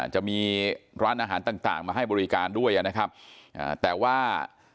จะมีร้านอาหารต่างต่างมาให้บริการด้วยนะครับแต่ว่า